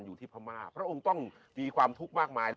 อยู่ที่พระม่าพระองค์ต้องมีความทุกข์มากมาย